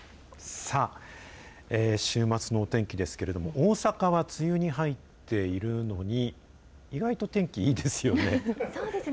さあ、週末のお天気ですけれども、大阪は梅雨に入っているのに、意外と天気いいですよね。